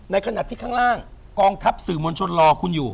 ในขณะที่ข้างล่างกองทัพสื่อมวลชนรอคุณอยู่